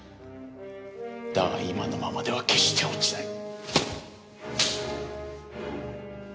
だが今のままでは決して落ちない。